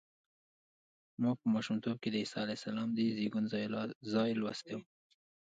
ما په ماشومتوب کې د عیسی علیه السلام د زېږون ځای لوستی و.